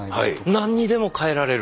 何にでも変えられる。